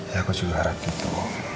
ya aku juga harap gitu